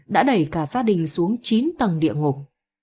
đã đẩy cả gia đình xuống chín tầng địa ngục